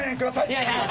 いやいや！